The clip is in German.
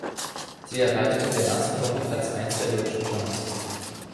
Sie erreichte in der ersten Woche Platz eins der deutschen Charts.